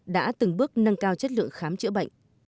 đã từng bước nâng cao chất lượng khám chữa bệnh